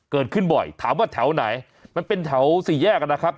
เกิดขึ้นบ่อยถามว่าแถวไหนมันเป็นแถวสี่แยกนะครับ